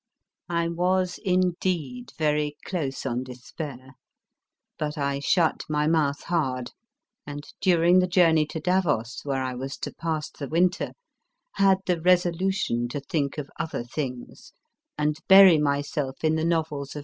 I was indeed very close on despair ; but I shut my mouth hard, and during the journey to Davos, where I was to pass the winter, had the resolution to think of other things and bury myself in the novels of M.